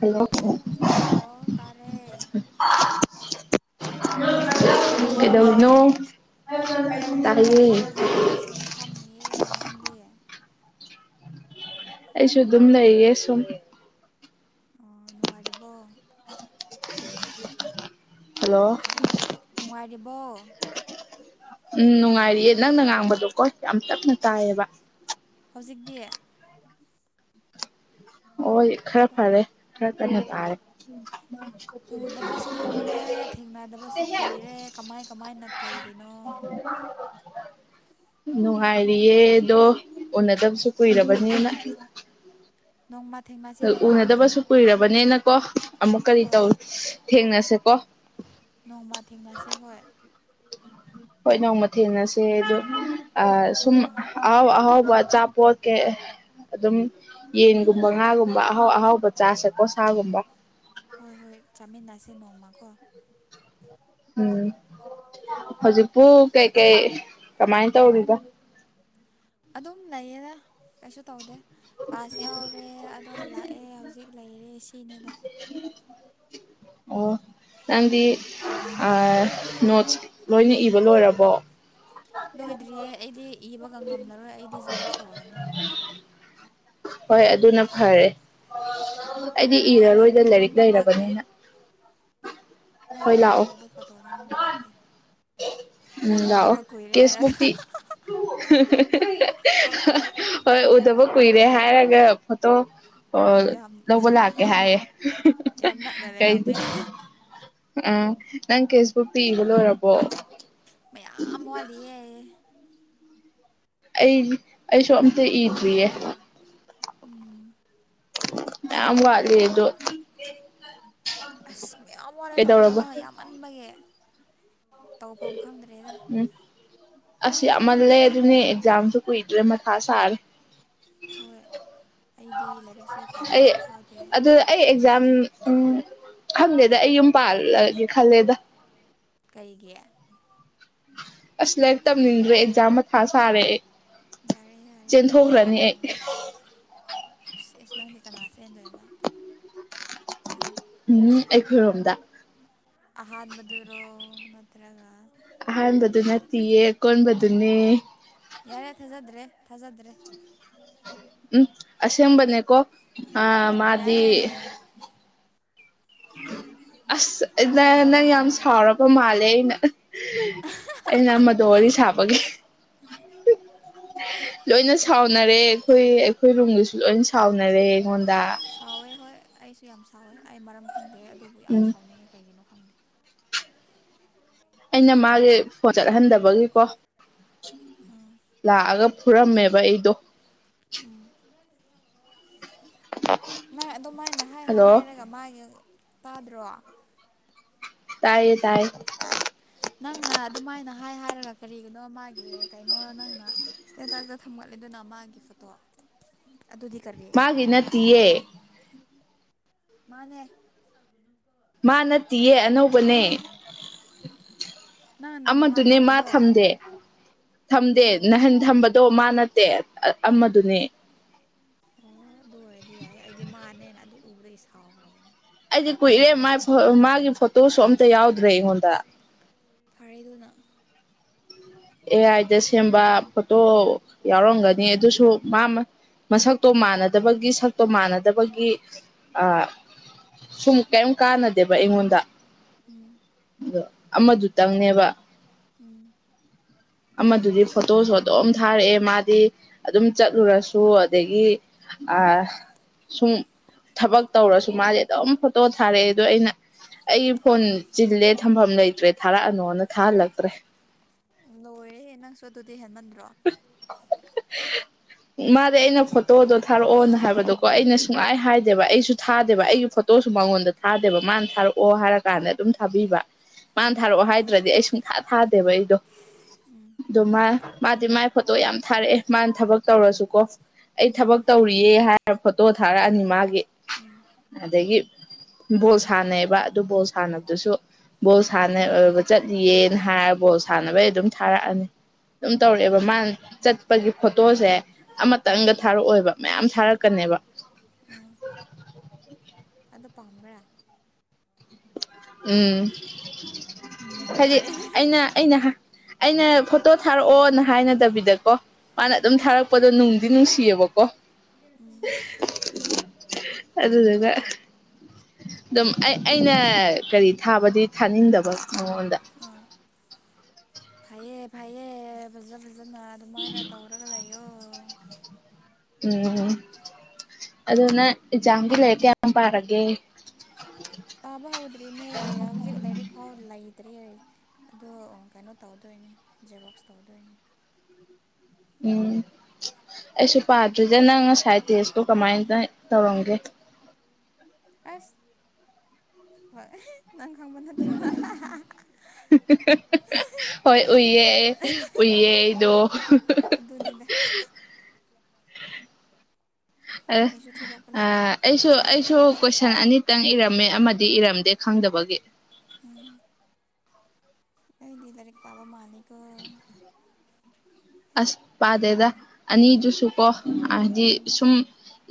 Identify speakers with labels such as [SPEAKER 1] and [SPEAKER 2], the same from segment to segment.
[SPEAKER 1] hello
[SPEAKER 2] hello ꯇꯥꯔꯦ
[SPEAKER 1] [unintelligible]
[SPEAKER 2] ꯇꯥꯕ꯭ꯔꯣ
[SPEAKER 1] ꯀꯩꯗꯧꯔꯤ ꯅꯣ [unintelligible]
[SPEAKER 2] ꯐꯝꯃꯤꯌꯦ ꯁꯨꯝ ꯐꯝꯃꯤꯌꯦ ꯅꯪꯗꯤ
[SPEAKER 1] ꯑꯩꯁꯨ ꯑꯗꯨꯝ ꯂꯩꯌꯦ ꯁꯨꯝ
[SPEAKER 2] ꯑꯣ ꯅꯨꯡꯉꯥꯏꯔꯤꯕꯣ
[SPEAKER 1] ꯍꯜꯂꯣ
[SPEAKER 2] ꯅꯨꯡꯉꯥꯏꯔꯤꯕꯣ
[SPEAKER 1] ꯎꯝ ꯅꯨꯡꯉꯥꯏꯔꯤꯌꯦ ꯅꯪꯅ ꯉꯥꯡꯕꯗꯣꯀꯣ ꯌꯥꯝ ꯇꯞꯅ ꯇꯥꯏꯌꯦꯕ
[SPEAKER 2] ꯍꯧꯖꯤꯛꯇꯤ
[SPEAKER 1] ꯍꯣꯏ ꯈꯔ ꯐꯔꯦ ꯈꯔ ꯀꯟꯅ ꯇꯥꯔꯦ
[SPEAKER 2] ꯎꯗꯕꯁꯨ ꯀꯨꯏꯔꯦ ꯊꯦꯡꯅꯗꯕꯁꯨ ꯀꯨꯏꯔꯦ ꯀꯃꯥꯏ ꯀꯃꯥꯏꯅ ꯂꯩꯔꯤꯅꯣ
[SPEAKER 1] ꯅꯨꯡꯉꯥꯏꯔꯤꯌꯦꯗꯣ ꯎꯅꯗꯕꯁꯨ ꯀꯨꯏꯔꯕꯅꯤꯅ
[SPEAKER 2] ꯅꯣꯡꯃ ꯊꯦꯡꯅ
[SPEAKER 1] ꯎꯅꯗꯕꯁꯨ ꯀꯨꯏꯔꯕꯅꯤꯅꯀꯣ ꯑꯃꯨꯛ ꯀꯔꯤ
[SPEAKER 2] ꯍꯣꯏ
[SPEAKER 1] ꯇꯧ ꯊꯦꯡꯅꯁꯦꯀꯣ
[SPEAKER 2] ꯅꯣꯡꯃꯥ ꯊꯦꯡꯅꯁꯦ ꯍꯣꯏ
[SPEAKER 1] ꯍꯣꯏ ꯅꯣꯡꯃ ꯊꯦꯡꯅꯁꯦ ꯑꯣ ꯁꯨꯝ
[SPEAKER 2] ꯎꯝ
[SPEAKER 1] ꯑꯍꯥꯎ ꯑꯍꯥꯎꯕ ꯑꯆꯥꯄꯣꯠ ꯀꯩ ꯑꯗꯨꯝ ꯌꯦꯟꯒꯨꯝꯕ ꯉꯥꯒꯨꯝꯕ ꯑꯍꯥꯎ ꯑꯍꯥꯎꯕ ꯆꯥꯁꯠꯄ ꯁꯥꯒꯨꯝꯕ
[SPEAKER 2] ꯍꯣꯏ ꯍꯣꯏ ꯆꯥꯃꯤꯟꯅꯁꯦ ꯅꯣꯡꯃꯀꯣ
[SPEAKER 1] ꯎꯝ ꯍꯧꯖꯤꯛꯄꯨ ꯀꯩꯀꯩ ꯀꯃꯥꯏꯅ ꯇꯧꯔꯤꯔꯤꯕ
[SPEAKER 2] ꯑꯗꯨꯝ ꯂꯩꯌꯦꯅ ꯀꯩꯁꯨ ꯇꯧꯗꯦ ꯀ꯭ꯂꯥꯁ ꯌꯥꯎꯔꯦ ꯑꯗꯣ ꯍꯜꯂꯛꯑꯦ ꯍꯧꯖꯤꯛ ꯂꯩꯔꯦ ꯁꯤꯅꯦꯗ
[SPEAKER 1] ꯎꯝ ꯑꯣ
[SPEAKER 2] ꯀꯩꯝ
[SPEAKER 1] ꯅꯪꯗꯤ
[SPEAKER 2] ꯇꯧꯗ꯭ꯔꯦ
[SPEAKER 1] ꯅꯣꯠꯁ ꯂꯣꯏꯅ ꯏꯕ ꯂꯣꯏꯔꯕꯣ
[SPEAKER 2] ꯂꯣꯏꯗ꯭ꯔꯤꯌꯦ ꯑꯩꯗꯤ ꯏꯕꯒ ꯉꯝꯂꯔꯣꯏ ꯑꯩꯗꯤ ꯖꯦꯔꯣꯛꯁ ꯇꯧꯔꯅꯤ
[SPEAKER 1] ꯍꯣꯏ ꯑꯗꯨꯅ ꯐꯔꯦ ꯑꯩꯗꯤ
[SPEAKER 2] ꯑꯗꯣ ꯑꯩ ꯐꯣꯇꯣ
[SPEAKER 1] ꯏꯔꯔꯣꯏꯗ ꯂꯥꯏꯔꯤꯛ
[SPEAKER 2] ꯅꯝꯕ ꯂꯥꯛꯀꯦ
[SPEAKER 1] ꯂꯩꯔꯕꯅꯤꯅ
[SPEAKER 2] ꯅꯪꯒꯤ
[SPEAKER 1] ꯍꯣꯏ ꯂꯥꯛꯑꯣ
[SPEAKER 2] ꯇꯦꯛꯁꯕꯨꯛꯇꯣ ꯐꯣꯇꯣ ꯅꯝꯕ ꯂꯥꯛꯀꯦ
[SPEAKER 1] ꯎꯝ ꯂꯥꯛꯑꯣ
[SPEAKER 2] ꯎꯅꯗꯕ ꯀꯨꯏꯔꯦ ꯍꯥꯏꯔꯒ
[SPEAKER 1] ꯀꯦꯁꯕꯨꯛꯇꯤ [unintelligible] ꯍꯣꯏ ꯎꯗꯕ ꯀꯨꯏꯔꯦ ꯍꯥꯏꯔꯒ ꯐꯣꯇꯣ ꯑꯣ
[SPEAKER 2] ꯌꯥꯝ
[SPEAKER 1] ꯂꯧꯕ ꯂꯥꯛꯀꯦ ꯍꯥꯏꯌꯦ
[SPEAKER 2] ꯌꯥꯝ ꯅꯛꯅ
[SPEAKER 1] ꯀꯩ
[SPEAKER 2] ꯂꯩꯔꯝꯃꯦ
[SPEAKER 1] ꯎꯝ ꯅꯪ ꯐꯦꯁꯕꯨꯛꯇ ꯏꯕ ꯂꯣꯏꯔꯕꯣ
[SPEAKER 2] ꯃꯌꯥꯝ ꯋꯥꯂꯤꯌꯦꯦꯌꯦ
[SPEAKER 1] ꯑꯩ ꯑꯩꯁꯨ ꯑꯝꯇ ꯏꯗ꯭ꯔꯤꯌꯦ
[SPEAKER 2] ꯎꯝ ꯑꯁ
[SPEAKER 1] ꯑꯌꯥꯝ
[SPEAKER 2] ꯑꯩꯗꯤ
[SPEAKER 1] ꯋꯥꯂꯤꯖ
[SPEAKER 2] ꯑꯁ ꯃꯌꯥꯝ ꯋꯥꯂꯦ ꯇꯧꯒꯗꯕ ꯑꯃ ꯌꯥꯝꯃꯟꯕꯒꯤ ꯇꯧꯐꯝ ꯈꯪꯗ꯭ꯔꯦꯗ
[SPEAKER 1] ꯎꯝ ꯑꯁ ꯌꯥꯝꯃꯜꯂꯦ ꯑꯗꯨꯅꯦ ꯑꯦꯛꯖꯥꯝꯁꯨ ꯀꯨꯏꯗ꯭ꯔꯦ ꯃꯊꯥ ꯁꯥꯔꯦ
[SPEAKER 2] ꯍꯣꯏ ꯑꯩꯗꯤ ꯂꯥꯏꯔꯤꯛ
[SPEAKER 1] ꯑꯩ ꯑꯗ ꯑꯩ ꯑꯦꯛꯖꯥꯝ ꯎ ꯈꯪꯗꯦꯗ ꯑꯩ ꯌꯨꯝ ꯄꯥꯜꯂꯒꯦ ꯈꯜꯂꯦꯗ
[SPEAKER 2] ꯀꯩꯒꯤ
[SPEAKER 1] ꯑꯁ ꯂꯥꯏꯔꯤꯛ ꯇꯝꯅꯤꯡꯗ꯭ꯔꯦ ꯑꯦꯛꯖꯥꯝ ꯃꯊꯥ ꯁꯥꯔꯦ
[SPEAKER 2] ꯌꯥꯔꯦ ꯌꯥꯔꯦ ꯇꯧꯒꯅꯨ
[SPEAKER 1] ꯆꯦꯟꯊꯣꯛꯈ꯭ꯔꯅꯤ ꯑꯩ
[SPEAKER 2] ꯇꯧꯒꯅꯨ ꯁ ꯅꯪꯗꯤ ꯀꯅꯥ ꯆ ꯍꯦꯟꯗꯣꯏꯕ
[SPEAKER 1] ꯑꯩꯈꯣꯏꯔꯣꯝꯗ
[SPEAKER 2] ꯑꯍꯥꯟ ꯃꯗꯨꯔꯣ ꯅꯠꯇ꯭ꯔꯒ
[SPEAKER 1] ꯑꯍꯥꯟꯕꯗꯨ ꯅꯠꯇꯦꯌꯦ ꯀꯣꯟꯕꯗꯨꯅꯦ
[SPEAKER 2] ꯌꯥꯔꯦ ꯊꯥꯖꯗ꯭ꯔꯦ ꯊꯥꯖꯗ꯭ꯔꯦ
[SPEAKER 1] ꯎꯝ ꯑꯁꯦꯡꯕꯅꯦꯀꯣ ꯑ ꯃꯥꯗꯤ
[SPEAKER 2] ꯌꯥꯔꯦ
[SPEAKER 1] ꯑꯁ
[SPEAKER 2] ꯑꯩ ꯊꯥꯖꯕ
[SPEAKER 1] ꯅꯪ ꯌꯥꯝ
[SPEAKER 2] ꯉꯝꯗ꯭ꯔꯦ
[SPEAKER 1] ꯁꯥꯎꯔ ꯆ ꯃꯥꯜꯂꯦ ꯑꯩꯅ ꯑꯩꯅ ꯃꯗꯨꯣ ꯋꯥꯔꯤ ꯁꯥꯕꯒꯤ
[SPEAKER 2] [inaudible]
[SPEAKER 1] ꯂꯣꯏꯅ ꯁꯥꯎꯅꯔꯦ ꯑꯩꯈꯣꯏ ꯑꯩꯈꯣꯏ ꯔꯨꯝꯒꯁꯨ ꯂꯣꯏ ꯁꯥꯎꯅꯔꯦ ꯑꯩꯉꯣꯟꯗ
[SPEAKER 2] ꯁꯥꯎꯋꯦ ꯍꯣꯏ ꯑꯩꯁꯨ ꯌꯥꯝ ꯁꯥꯎꯋꯦ ꯑꯩ ꯃꯔꯝ ꯈꯪꯗꯦ ꯑꯗꯨꯕꯨ ꯌꯥꯝ
[SPEAKER 1] ꯎꯝ
[SPEAKER 2] ꯁꯥꯎꯅꯤꯡꯉꯦ ꯀꯩꯒꯤꯅꯣ ꯈꯪꯗꯦ ꯍꯅ ꯁꯤꯗꯗꯤ ꯊꯣꯛ
[SPEAKER 1] ꯑꯩꯅ ꯃꯥꯒꯤ ꯐꯣꯟ ꯆꯠꯍꯟꯗꯕꯒꯤꯀꯣ
[SPEAKER 2] ꯑꯥ
[SPEAKER 1] ꯂꯥꯛꯑꯒ ꯐꯨꯔꯝꯃꯦꯕ ꯑꯩꯗꯣ
[SPEAKER 2] ꯅꯪ ꯑꯗꯨꯃꯥꯏꯅ ꯍꯥꯏ
[SPEAKER 1] ꯍꯜꯂꯣ
[SPEAKER 2] ꯍꯥꯏꯔꯒ ꯃꯥꯒꯤ ꯇꯥꯗ꯭ꯔꯣ
[SPEAKER 1] ꯇꯥꯏꯌꯦ ꯇꯥꯏꯌꯦ
[SPEAKER 2] ꯅꯪꯅ ꯑꯗꯨꯃꯥꯏꯅ ꯍꯥꯏ ꯍꯥꯏꯔꯒ ꯀꯔꯤꯒꯤꯅꯣ ꯃꯥꯒꯤ ꯀꯩꯅꯣ ꯅꯪꯅ ꯁꯗꯇꯥꯁꯤꯗ ꯊꯝꯒꯠꯂꯦ ꯑꯗꯨꯅ ꯃꯥꯒꯤ ꯐꯣꯇꯣ ꯑꯗꯨꯗꯤ ꯀꯔꯤꯜꯂꯤ
[SPEAKER 1] ꯒꯤ ꯅꯠꯇꯌꯦ
[SPEAKER 2] ꯃꯥꯅꯦ ꯁꯒꯅ
[SPEAKER 1] ꯃꯥ ꯅꯠꯇꯤꯌꯦ ꯑꯅꯧꯕꯅꯦ
[SPEAKER 2] ꯅꯪ ꯅꯍꯥꯟ
[SPEAKER 1] ꯑꯃꯗꯨꯅꯦ ꯃꯥ
[SPEAKER 2] ꯊꯝꯕꯗꯣ
[SPEAKER 1] ꯊꯝꯗꯦ
[SPEAKER 2] ꯑꯣ
[SPEAKER 1] ꯊꯝꯗꯦ ꯅꯅꯥꯍꯟ ꯊꯝꯕꯗꯣ ꯃꯥ ꯅꯠꯇꯦ ꯑꯃꯗꯨꯅꯦ
[SPEAKER 2] ꯑꯣ ꯑꯗꯨ ꯑꯣꯏꯔꯗꯤ ꯌꯥꯏ ꯑꯩꯗꯤ ꯃꯥꯟꯅꯦꯅ ꯑꯗꯨ ꯎꯕꯗꯒꯤ ꯁꯥꯎꯈ꯭ꯔꯕꯅꯦ
[SPEAKER 1] ꯑꯩꯗꯤ ꯀꯨꯏꯔꯦ ꯃꯥꯥꯏ ꯃꯥꯒꯤ ꯐꯣꯇꯣꯁꯨ ꯑꯝꯇ ꯌꯥꯎꯗ꯭ꯔꯦ ꯑꯩꯉꯣꯟꯗ
[SPEAKER 2] ꯐꯔꯩꯗꯨꯅ
[SPEAKER 1] ꯑꯦ ꯑꯥꯏꯗ ꯁꯦꯝꯕ ꯐꯣꯇꯣ ꯌꯥꯎꯔꯝꯒꯅꯤ ꯑꯗꯨꯁꯨ ꯃꯥ ꯃꯁꯛꯇꯣ ꯃꯥꯟꯅꯗꯕꯒꯤ ꯁꯛꯇꯣ ꯃꯥꯟꯅ ꯑꯗ ꯑꯩꯈꯣꯏꯒꯤ ꯁꯨꯝ ꯀꯔꯤꯝ ꯀꯥꯟꯅꯗꯦꯕ ꯑꯩꯉꯣꯟꯗ
[SPEAKER 2] ꯎꯝ
[SPEAKER 1] ꯑꯗꯣ ꯑꯃꯗꯨꯇꯪꯅꯦꯕ
[SPEAKER 2] ꯎꯝ
[SPEAKER 1] ꯑꯃꯗꯨꯗꯤ ꯐꯣꯇꯣꯁꯨ ꯑꯗꯨꯝ ꯊꯥꯔꯛꯑꯦ ꯃꯥꯗꯤ ꯑꯗꯨꯝ ꯆꯠꯂꯨꯔꯁꯨ ꯑꯗꯒꯤ ꯑ ꯁ ꯊꯕꯛ ꯇꯧꯔꯁꯨ ꯃꯥꯁꯦ ꯑꯗꯨꯝ ꯐꯣꯇꯣ ꯊꯥꯔꯛꯑꯦ ꯑꯗꯣ ꯑꯩꯅ ꯑꯩ ꯍꯣꯟ ꯆꯤꯜꯂꯦ ꯊꯝꯐꯝ ꯂꯩꯇ꯭ꯔꯦ ꯊꯥꯔꯛꯑꯅꯣꯅ ꯊꯥꯍꯜꯂꯛꯇ꯭ꯔꯦ
[SPEAKER 2] ꯂꯣꯏꯔꯦꯦ ꯅꯪꯁꯨ ꯑꯗꯨꯗꯤ ꯍꯦꯟꯃꯟꯗ꯭ꯔꯣ
[SPEAKER 1] [inaudible] ꯃꯥꯗꯤ ꯑꯩꯅ ꯐꯣꯇꯣꯗꯣ ꯊꯥꯔꯛꯑꯣꯅ ꯍꯥꯏꯕꯗꯣꯀꯣ ꯑꯩꯅ ꯁꯨꯡꯉꯥꯏ ꯍꯥꯏꯗꯦꯕ ꯑꯩꯁꯨ ꯊꯥꯗꯦꯕ ꯑꯩꯒꯤ ꯐꯣꯇꯣ ꯇꯣꯁꯨ ꯃꯉꯣꯟꯗ ꯊꯥꯗꯦꯕ ꯃꯥꯅ ꯊꯥꯔꯛꯑꯣ ꯍꯥꯏꯔ ꯀꯥꯟꯗ ꯑꯗꯨꯝ ꯊꯥꯕꯤꯕ ꯃꯥꯅ
[SPEAKER 2] ꯎꯝ
[SPEAKER 1] ꯊꯥꯔꯛꯑꯣ ꯍꯥꯏꯗ꯭ꯔꯗꯤ ꯑꯩ ꯁꯨꯡꯊꯥ ꯊꯥꯗꯦꯕ ꯑꯩꯗꯣ
[SPEAKER 2] ꯎꯝ
[SPEAKER 1] ꯑꯗꯨꯗ ꯃꯥ ꯃꯥꯗꯤ ꯃꯥꯏ ꯐꯣꯇꯣ ꯌꯥꯝ ꯊꯥꯔꯛꯑꯦ ꯃꯥꯅ ꯊꯕꯛ ꯇꯧꯔꯁꯨꯀꯣ ꯑꯩ
[SPEAKER 2] ꯎꯝ
[SPEAKER 1] ꯊꯕꯛ ꯇꯧꯔꯤꯌꯦ ꯍꯥꯏꯔ ꯐꯣꯇꯣ ꯊꯥꯔꯛꯑꯅꯤ ꯃꯥꯒꯤ
[SPEAKER 2] ꯎꯝ
[SPEAKER 1] ꯑꯗꯒꯤ ꯕꯣꯜ ꯁꯥꯟꯅꯩꯕ ꯑꯗꯨ ꯕꯣꯜ ꯁꯥꯟꯅꯕꯗꯨꯁꯨ ꯕꯣꯜ ꯁꯥꯟꯅꯕ ꯆꯠꯂꯤꯌꯦꯅ ꯍꯥꯏꯔꯒ ꯕꯣꯜ ꯁꯥꯟꯅꯕꯩ ꯑꯗꯨꯝ ꯊꯥꯔꯛꯑꯅꯤ ꯑꯗꯨꯝ ꯇꯧꯔꯛꯑꯦꯕ
[SPEAKER 2] ꯑꯥ
[SPEAKER 1] ꯃꯥꯅ ꯆꯠꯄꯒꯤ ꯐꯣꯇꯣꯁꯦ
[SPEAKER 2] ꯑꯥ
[SPEAKER 1] ꯑꯃꯇꯪꯒ ꯊꯥꯔꯛꯑꯣꯕ ꯃꯌꯥꯝ ꯊꯥꯔꯛꯀꯅꯦꯕ
[SPEAKER 2] ꯑꯗꯨꯗꯣ ꯄꯥꯝꯕ꯭ꯔ
[SPEAKER 1] ꯎꯝ
[SPEAKER 2] ꯎꯝ
[SPEAKER 1] ꯍꯥꯏꯗꯤ
[SPEAKER 2] ꯍꯥꯏꯌꯦ
[SPEAKER 1] ꯑꯩꯅ ꯑꯩꯅ ꯑꯩꯅ ꯐꯣꯇꯣ ꯊꯥꯔꯛꯑꯣꯅ ꯍꯥꯏꯅꯗꯕꯤꯗꯀꯣ ꯃꯥꯅ ꯑꯗꯨꯝ
[SPEAKER 2] ꯎꯝ
[SPEAKER 1] ꯊꯥꯔꯛꯄꯗꯣ ꯅꯨꯡꯗꯤ ꯅꯨꯡꯁꯤꯌꯦꯕꯀꯣ
[SPEAKER 2] ꯎꯝ
[SPEAKER 1] ꯑꯗꯨꯗꯕ ꯑꯗꯨꯝ ꯑꯩ ꯑꯩꯅ ꯀꯔꯤ ꯊꯥꯕꯗꯤ ꯊꯥꯅꯤꯡꯗꯕ ꯃꯉꯣꯟꯗ
[SPEAKER 2] ꯐꯩꯌꯦꯦ ꯐꯩꯌꯦ ꯐꯖ ꯐꯖꯅ ꯑꯗꯨꯃꯥꯏꯅ ꯇꯧꯔꯒ ꯂꯩꯌꯣ
[SPEAKER 1] ꯎꯝ ꯑꯗꯅ ꯑꯦꯖꯥꯒꯤ ꯂꯦꯇ ꯌꯥ ꯄꯔꯒꯦ
[SPEAKER 2] ꯄꯥꯕ ꯍꯧꯗ꯭ꯔꯤꯃꯦ ꯍꯧꯖꯤꯛ ꯂꯥꯏꯔꯤꯛ ꯐꯥꯎ ꯂꯩꯇ꯭ꯔꯤ ꯑꯗꯣ ꯀꯩꯅꯣ ꯇꯧꯗꯣꯏꯅꯤ ꯖꯦꯔꯣꯛꯁ ꯇꯧꯗꯣꯏꯅꯤ
[SPEAKER 1] ꯎꯝ ꯑꯩꯁꯨ ꯄꯥꯗ꯭ꯔꯤꯗ ꯅꯪ ꯉꯁꯥꯏ ꯇꯦꯁꯇꯣ ꯀꯃꯥꯏꯅ ꯇꯧꯔꯝꯒꯦ
[SPEAKER 2] ꯑꯁ ꯍꯣꯏ ꯅꯪ ꯈꯪꯕ ꯅꯠꯇ꯭ꯔꯣ
[SPEAKER 1] [unintelligible] ꯍꯣꯏ ꯎꯏꯌꯦ ꯎꯏꯌꯦꯗꯣ
[SPEAKER 2] ꯑꯗꯨꯅꯤꯗ
[SPEAKER 1] ꯑ
[SPEAKER 2] ꯀꯩꯁꯨ ꯊꯦꯗꯣꯛꯄ
[SPEAKER 1] ꯑ
[SPEAKER 2] ꯂꯩꯇꯦ
[SPEAKER 1] ꯑꯩꯁꯨ ꯑꯩꯁꯨ ꯀꯣꯏꯁꯟ ꯑꯅꯤꯇꯪ ꯏꯔꯝꯃꯦ ꯑꯃꯗꯤ ꯏꯔꯝꯗꯦ ꯈꯪꯗꯕꯒꯤ
[SPEAKER 2] ꯎꯝ ꯑꯩꯗꯤ ꯂꯩꯔꯦ ꯄꯕꯥ ꯃꯥꯅꯤꯀ
[SPEAKER 1] ꯑꯁ ꯄꯥꯗꯦꯗ ꯑꯅꯤꯗꯨꯁꯨ ꯀꯣ ꯍꯥꯏꯗꯤ
[SPEAKER 2] ꯎꯝ
[SPEAKER 1] ꯁꯨꯝ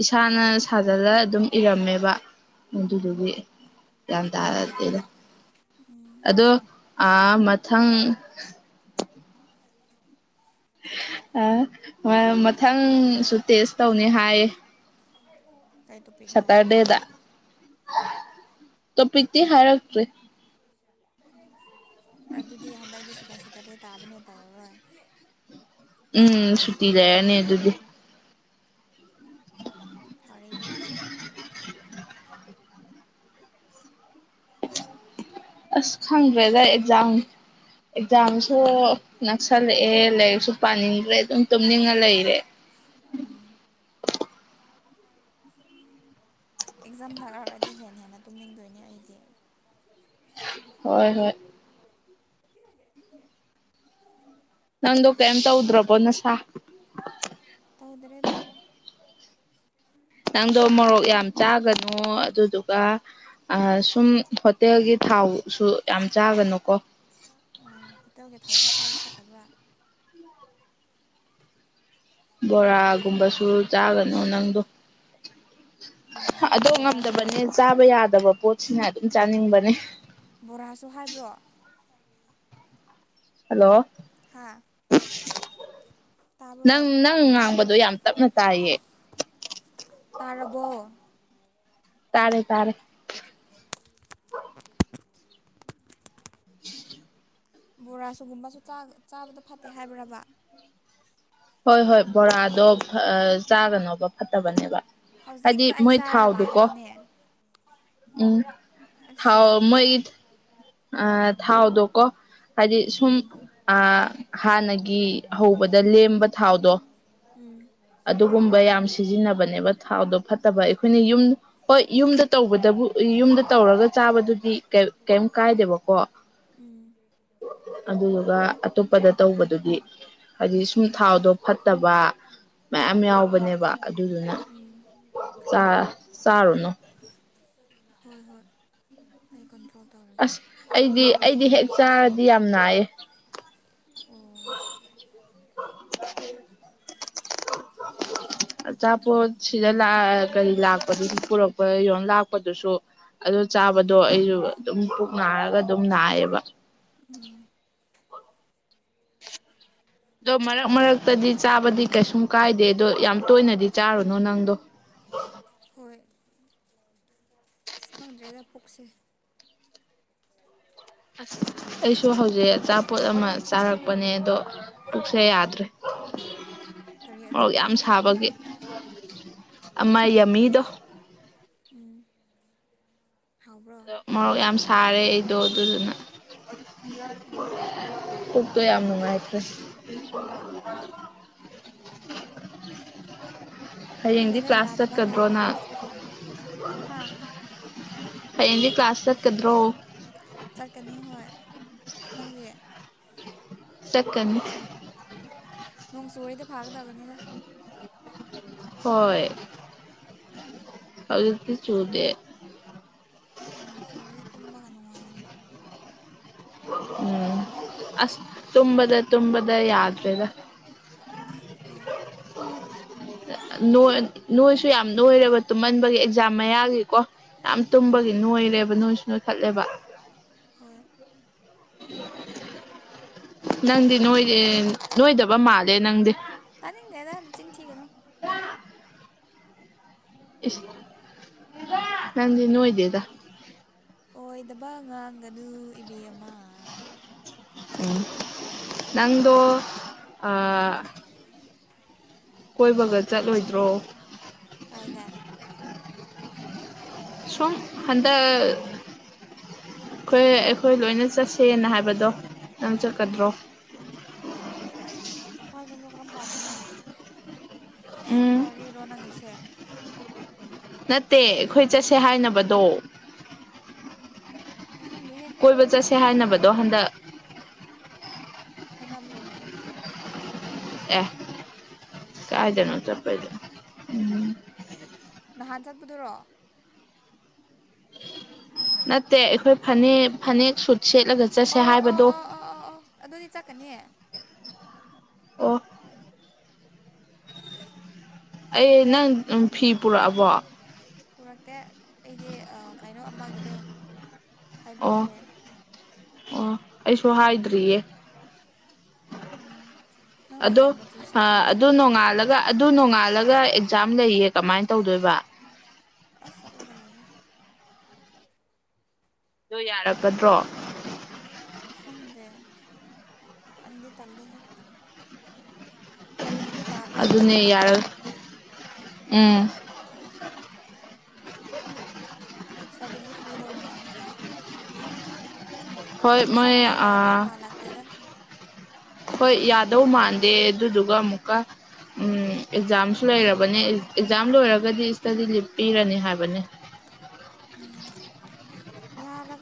[SPEAKER 1] ꯏꯁꯥꯅ ꯁꯥꯖꯜꯂ ꯑꯗꯨꯝ ꯏꯔꯝꯃꯦꯕ ꯑꯗꯨꯗꯨꯒꯤ ꯒ꯭ꯌꯥꯟ ꯇꯥꯔꯗꯤꯦꯅꯦ ꯑꯗꯣ ꯑ ꯃꯊꯪ ꯑꯣꯏ ꯃꯊꯪꯁꯨ ꯇꯦꯁ ꯇꯧꯅꯤ ꯍꯥꯏꯌꯦ
[SPEAKER 2] ꯀꯥꯏ ꯇ
[SPEAKER 1] ꯁꯇꯔ ꯗꯦꯗ ꯇ ꯄꯤꯇ ꯍꯥꯏꯔꯛꯇ꯭ꯔꯦ
[SPEAKER 2] ꯊꯦꯡꯀ꯭ꯌꯨ ꯁꯣ ꯃ ꯑꯗꯨꯗꯤ ꯍꯟꯗꯛꯇ ꯁꯦꯀꯦꯟ ꯁꯦꯇꯔꯗꯦ ꯇꯥꯕꯅꯦ ꯇꯧꯔꯔꯣꯏ
[SPEAKER 1] ꯎꯝ ꯁꯨꯇꯤ ꯂꯩꯔꯅꯤ ꯑꯗꯨꯗꯤ
[SPEAKER 2] ꯐꯔꯦꯗꯨꯅ
[SPEAKER 1] ꯑꯁ ꯈꯪꯗ꯭ꯔꯦꯖꯥ ꯑꯦꯛꯖꯥꯝ ꯑꯦꯛꯖꯥꯝꯁꯨ ꯅꯛꯁꯜꯂꯛꯑꯦ ꯂꯥꯏꯔꯤꯛꯁꯨ ꯄꯥꯅꯤꯡꯈ꯭ꯔꯦ ꯑꯗꯨꯝ ꯇꯨꯝꯅꯤꯡꯉ ꯂꯩꯔꯦ
[SPEAKER 2] ꯎꯝ ꯑꯦꯛꯖꯥꯝ ꯊꯥꯛꯔꯛꯔꯗꯤ ꯍꯦꯟꯅ ꯍꯦꯟꯅ ꯇꯨꯝꯅꯤꯡꯗꯣꯏꯅꯤ ꯑꯩꯗꯤ
[SPEAKER 1] ꯍꯣꯏ ꯍꯣꯏ ꯅꯪꯗꯣ ꯀꯩꯝ ꯇꯧꯗ꯭ꯔꯕꯣ ꯅꯁꯥ
[SPEAKER 2] ꯍ ꯇꯧꯗ꯭ꯔꯦꯗ
[SPEAKER 1] ꯅꯪꯗꯣ ꯃꯣꯔꯣꯛ ꯌꯥꯝ ꯆꯥꯒꯅꯨ ꯑꯗꯨꯗꯨꯒ ꯁꯨꯝ ꯍꯣꯇꯦꯜꯒꯤ ꯊꯥꯎꯁꯨ ꯌꯥꯝ ꯆꯥꯒꯅꯨꯀꯣ
[SPEAKER 2] ꯎꯝ ꯍꯣꯇꯦꯜꯒꯤ ꯊꯥꯎꯁꯨ ꯆꯥꯕ ꯐꯠꯇꯕ꯭ꯔꯥ
[SPEAKER 1] ꯕꯣꯔꯥꯒꯨꯝꯕꯁꯨ ꯆꯥꯒꯅꯨ ꯅꯪꯗꯣ ꯑꯗꯨꯣ
[SPEAKER 2] ꯕꯣꯔꯥꯁꯨ
[SPEAKER 1] ꯉꯝꯗꯕꯅꯦ ꯆꯥꯕ ꯌꯥꯗꯕ ꯄꯣꯠꯁꯤꯅ ꯑꯗꯨꯝ ꯆꯥꯅꯤꯡꯕꯅꯦ
[SPEAKER 2] ꯕꯣꯔꯥꯁꯨ ꯍꯥꯏꯕ꯭ꯔꯣ
[SPEAKER 1] ꯍꯜꯂꯣ
[SPEAKER 2] ꯍꯥꯥ ꯇꯥꯔꯣ
[SPEAKER 1] ꯪ ꯉꯥꯡꯕꯗꯣ ꯌꯥꯝ ꯇꯞꯅ ꯇꯥꯏꯌꯦ
[SPEAKER 2] ꯄꯔꯔꯕ
[SPEAKER 1] ꯇꯥꯔꯦ ꯇꯥꯔꯦ [unintelligible]
[SPEAKER 2] ꯕꯣꯔꯥꯁꯨꯒꯨꯝꯕꯁꯨ ꯆꯥꯕꯗ ꯐꯠꯇꯦ ꯍꯥꯏꯕ꯭ꯔꯕ
[SPEAKER 1] ꯍꯣꯏ ꯍꯣꯏ ꯕꯣꯔꯥꯗꯣ ꯆꯥꯒꯅꯣꯕ ꯐꯠꯇꯕꯅꯦꯕ ꯍꯥꯏꯗꯤ
[SPEAKER 2] ꯍꯧꯖꯤꯛꯇ ꯑꯩ
[SPEAKER 1] ꯃꯣꯏ
[SPEAKER 2] ꯆꯥꯔꯒ
[SPEAKER 1] ꯊꯥꯎꯗꯨꯀꯣ
[SPEAKER 2] ꯂꯥꯛꯄꯅꯤꯅꯦ
[SPEAKER 1] ꯎꯝ
[SPEAKER 2] ꯑꯁ
[SPEAKER 1] ꯊꯥꯎ
[SPEAKER 2] ꯌꯥꯗ ꯔꯗ
[SPEAKER 1] ꯃꯣꯏꯒꯤ ꯊꯥꯎꯗꯣꯀꯣ ꯍꯥꯏꯗꯤ ꯁꯨꯝ
[SPEAKER 2] ꯎꯝ
[SPEAKER 1] ꯑ ꯍꯥꯟꯅꯒꯤ ꯍꯧꯕꯗ ꯂꯦꯝꯕ ꯊꯥꯎꯗꯣ
[SPEAKER 2] ꯎꯝ
[SPEAKER 1] ꯑꯗꯨꯒꯨꯝꯕ ꯌꯥꯝ ꯁꯤꯖꯤꯟꯅꯕꯅꯦꯕ ꯊꯥꯎꯗꯣ ꯐꯠꯇꯕ ꯑꯩꯈꯣꯏꯅ ꯌꯨꯝ ꯍꯣꯏ ꯌꯨꯝꯗ ꯇꯧꯕꯗꯕꯨ ꯌꯨꯝꯗ ꯇꯧꯔꯒ ꯆꯥꯕꯗꯨꯗꯤ ꯀꯩꯝ ꯀꯥꯏꯗꯦꯕꯀꯣ
[SPEAKER 2] ꯎꯝ
[SPEAKER 1] ꯑꯗꯨꯗꯨꯒ ꯑꯇꯣꯞꯄꯗ ꯇꯧꯕꯗꯨꯗꯤ ꯍꯥꯏꯗꯤ ꯁꯨꯝ ꯊꯥꯎꯗꯣ ꯐꯠꯇꯕ ꯃꯌꯥꯝ ꯌꯥꯎꯕꯅꯦꯕ ꯑꯗꯨꯗꯨꯅ
[SPEAKER 2] ꯎꯝ
[SPEAKER 1] ꯆꯥꯔꯨꯅꯨ
[SPEAKER 2] ꯍꯣꯏ ꯍꯣꯏ ꯑꯩꯥꯏ ꯀꯣꯟꯇ꯭ꯔꯣꯜ
[SPEAKER 1] ꯑꯁ ꯑꯩꯗꯤ ꯑꯩꯗꯤ ꯍꯦꯛ ꯆꯥꯔꯗꯤ ꯌꯥꯝ ꯅꯥꯏꯌꯦ
[SPEAKER 2] ꯑꯣ
[SPEAKER 1] ꯑꯆꯥꯄꯣꯠ ꯁꯤꯗꯑ ꯀꯔꯤ ꯂꯥꯛꯄꯗꯨꯁꯨ ꯄꯨꯔꯛꯄ ꯌ ꯂꯥꯛꯄꯗꯨꯁꯨ ꯑꯗꯨ ꯆꯥꯕꯗꯣ ꯑꯩꯁꯨ ꯑꯗꯨꯝ ꯄꯨꯛ ꯅꯥꯔꯒ ꯑꯗꯨꯝ ꯅꯥꯏꯌꯦꯕ [unintelligible] ꯑꯗꯣ ꯃꯔꯛ ꯃꯔꯛꯇꯗꯤ ꯆꯥꯕꯗꯤ ꯀꯩꯁꯨꯝ ꯀꯥꯏꯗꯦ ꯑꯗꯣ ꯌꯥꯝ ꯇꯣꯏꯅꯗꯤ ꯆꯥꯔꯨꯅꯨ ꯅꯪꯗꯣ
[SPEAKER 2] ꯍꯣꯏ ꯑꯁ ꯈꯪꯗ꯭ꯔꯦꯗ ꯄꯨꯛꯁꯦ
[SPEAKER 1] ꯑꯁ ꯑꯩꯁꯨ ꯍꯧꯖꯤꯛ ꯑꯆꯥꯄꯣꯠ ꯑꯃ ꯆꯥꯔꯛꯄꯅꯦ ꯑꯗꯣ ꯄꯨꯛꯁꯦ ꯌꯥꯗ꯭ꯔꯦ
[SPEAKER 2] ꯀꯔꯤ
[SPEAKER 1] ꯃꯣꯔꯣꯛ
[SPEAKER 2] ꯑꯆꯥꯄꯣꯠ
[SPEAKER 1] ꯌꯥꯝ
[SPEAKER 2] ꯆꯥꯕꯅꯣ
[SPEAKER 1] ꯁꯥꯕꯒꯤ ꯑꯃ ꯌꯥꯝꯃꯤꯗꯣ
[SPEAKER 2] ꯎꯝ ꯍꯥꯎꯕ꯭ꯔꯣ
[SPEAKER 1] ꯃꯣꯛ ꯌꯥꯝ ꯁꯥꯔꯦ ꯑꯩꯗꯣ ꯑꯗꯨꯗꯨꯅ ꯄꯨꯛꯇꯣ ꯌꯥꯝ ꯅꯨꯡꯉꯥꯏꯇ ꯍꯌꯦꯡꯗꯤ ꯀ꯭ꯂꯥꯁ ꯆꯠꯀꯗ꯭ꯔꯣꯅ
[SPEAKER 2] ꯍꯥ
[SPEAKER 1] ꯐꯗꯤ ꯀ꯭ꯂꯥꯁꯇ ꯀꯗ꯭ꯔꯣ
[SPEAKER 2] ꯆꯠꯀꯅꯤ ꯍꯣꯏ ꯅꯪꯁꯦ
[SPEAKER 1] ꯆꯀꯅꯤ
[SPEAKER 2] ꯅꯣꯡ ꯁꯣꯔꯤꯗ ꯐꯥꯒꯗꯕꯅꯤꯦꯗ
[SPEAKER 1] ꯍꯣꯏ ꯍꯧꯖꯤꯛꯇꯤ ꯆꯨꯗꯦ
[SPEAKER 2] ꯅꯣꯡ ꯆꯨꯔꯦ ꯇꯨꯝꯃꯒ ꯅꯨꯡꯉꯥꯏꯔꯅꯤ
[SPEAKER 1] ꯎꯝ ꯑꯁ ꯇꯨꯝꯝꯕꯗ ꯇꯨꯝꯗ ꯌꯥꯗ꯭ꯔꯦꯗ
[SPEAKER 2] ꯍꯣꯏ
[SPEAKER 1] ꯅꯣꯏꯁꯨ ꯌꯥꯝ ꯅꯣꯏꯔꯦꯕ ꯇꯨꯝꯍꯟꯕꯒꯤ ꯑꯦꯛꯖꯥꯝ ꯃꯌꯥꯒꯤꯀꯣ ꯌꯥꯝ
[SPEAKER 2] ꯎꯝ
[SPEAKER 1] ꯇꯨꯝꯕꯒꯤ ꯅꯣꯏꯔꯦꯕ ꯅꯣꯏꯁꯨ ꯅꯣꯏꯊꯠꯂꯦꯕ
[SPEAKER 2] ꯍꯣꯏ
[SPEAKER 1] ꯅꯪꯗꯤ ꯅꯣꯏꯗꯦ ꯅꯣꯏꯗꯕ ꯃꯥꯜꯂꯦ ꯅꯪꯗꯤ
[SPEAKER 2] ꯇꯥꯅꯤꯡꯗꯦꯔ ꯅ ꯆꯤꯟ ꯊꯤꯒꯅꯨ
[SPEAKER 1] ꯏꯁ ꯅꯗ ꯅꯣꯣꯏꯗꯦꯗ
[SPEAKER 2] ꯑꯣꯏꯗꯕ ꯉꯥꯡꯒꯅꯨ ꯏꯕꯦꯝꯃ
[SPEAKER 1] ꯎ ꯅꯪꯗ ꯀꯣꯏꯕꯒ ꯆꯠꯂꯣꯏꯗ꯭ꯔꯣ
[SPEAKER 2] ꯀꯥꯏꯗ
[SPEAKER 1] ꯁꯨ ꯍꯟꯗꯛ ꯑꯩꯈꯣꯏ ꯑꯩꯈꯣꯏ ꯂꯣꯏꯅ ꯆꯠꯁꯦꯅ ꯍꯥꯏꯕꯗꯣ ꯅꯪ ꯆꯠꯀꯗ꯭ꯔꯣ
[SPEAKER 2] ꯀꯣꯏꯗ ꯂ ꯀ꯭ꯔꯝ ꯄꯥꯗꯅ ꯁꯨꯝꯕ
[SPEAKER 1] ꯎꯝ
[SPEAKER 2] ꯋꯥꯔꯤꯔꯣ ꯅꯪꯁꯦ
[SPEAKER 1] ꯅꯠꯇꯦ ꯑꯩꯈꯣꯏ ꯆꯠꯁꯦ ꯍꯥꯏꯅꯕꯗꯣ
[SPEAKER 2] ꯑꯩ ꯈꯪꯗꯦꯍꯦ
[SPEAKER 1] ꯀꯣꯏꯕ ꯆꯠꯁꯦ ꯍꯥꯏꯅꯕꯗꯣ ꯍꯟꯗꯛ
[SPEAKER 2] ꯍꯩꯅꯕ꯭ꯔꯣꯅꯦ
[SPEAKER 1] ꯑꯦ ꯀꯥꯏꯗꯅꯣ ꯆꯄꯣꯏꯗ ꯎꯝ
[SPEAKER 2] ꯅꯍꯥꯟ ꯆꯠꯄꯗꯔꯣ
[SPEAKER 1] ꯅꯠꯇꯦ ꯑꯩꯈꯣꯏ ꯐꯅꯦꯛ ꯐꯅꯦꯛ ꯁꯨꯠ ꯁꯦꯠꯂꯒ ꯆꯠꯁꯦ
[SPEAKER 2] ꯑꯣ ꯑꯣ
[SPEAKER 1] ꯍꯥꯏꯕꯗꯣ
[SPEAKER 2] ꯑꯣ ꯑꯣ ꯑꯗꯨꯗꯤ ꯆꯠꯀꯅꯤ ꯍ
[SPEAKER 1] ꯑꯣ ꯑꯩ
[SPEAKER 2] ꯗꯦꯠ
[SPEAKER 1] ꯅꯪ ꯐꯤ ꯄꯨꯔꯛꯑꯕꯣ
[SPEAKER 2] ꯄꯨꯔꯛꯇꯦ ꯑꯩꯗꯤ ꯀꯩꯅꯣ ꯑꯃꯒꯤꯗꯣ
[SPEAKER 1] ꯑꯣ
[SPEAKER 2] ꯍꯥꯏꯕꯤꯈ꯭ꯔꯦ
[SPEAKER 1] ꯑꯣ ꯑꯩꯁꯨ ꯍꯥꯏꯗ꯭ꯔꯤꯌꯦ
[SPEAKER 2] ꯅꯪꯅ
[SPEAKER 1] ꯑꯗꯣ
[SPEAKER 2] ꯀꯩ ꯃꯆꯨ
[SPEAKER 1] ꯑꯥ
[SPEAKER 2] ꯁꯦꯠꯇꯣꯏꯕ
[SPEAKER 1] ꯑꯗꯣ ꯅꯣꯡꯉꯥꯜꯂ ꯑꯗꯨ ꯅꯣꯡꯉꯥꯜꯂꯒ ꯑꯦꯛꯖꯥꯝ ꯂꯩꯌꯦ ꯀꯃꯥꯏꯅ ꯇꯧꯗꯣꯏꯕ
[SPEAKER 2] ꯑ ꯆꯠꯂꯒꯜ ꯑꯣꯏꯔꯦ
[SPEAKER 1] ꯑꯗ ꯌꯥꯔꯛꯀꯗ꯭ꯔꯣ
[SPEAKER 2] ꯈꯡꯗꯦ ꯇꯟꯗꯤ ꯇꯟꯂꯦ ꯍꯦ ꯇꯥꯕ꯭ꯔꯥ ꯑꯗꯨ
[SPEAKER 1] ꯑꯗꯨꯅꯦ
[SPEAKER 2] ꯅꯨꯃꯤꯠꯇꯣ
[SPEAKER 1] ꯌꯥꯔꯣꯏ ꯎꯝ
[SPEAKER 2] ꯁꯇꯗꯨ ꯂꯦꯕ ꯄꯤꯗꯧ ꯃꯥꯜꯂꯦ
[SPEAKER 1] ꯍꯣꯏ ꯃꯣꯏ
[SPEAKER 2] ꯑꯁꯠꯄꯥꯏ ꯌꯥꯗꯧ
[SPEAKER 1] ꯑꯥ
[SPEAKER 2] ꯃꯥ ꯂꯥꯛꯒꯇꯗ
[SPEAKER 1] ꯍꯣꯏ ꯌꯥꯗꯧ ꯃꯥꯟꯗꯦ ꯑꯗꯨꯗꯨꯒ ꯑꯃꯨꯛꯀ ꯑꯦꯛꯖꯥꯝꯁꯨ ꯂꯩꯔꯕꯅꯤ ꯑꯦꯛꯖꯥꯝ ꯂꯣꯏꯔꯒꯗꯤ ꯏꯁꯇꯗꯤ ꯂꯤꯞ ꯄꯤꯔꯅꯤ ꯍꯥꯏꯕꯅꯤ
[SPEAKER 2] ꯌꯥꯅ